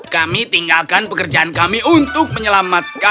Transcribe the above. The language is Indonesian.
kami tinggalkan pekerjaan kami untuk menyelamatkan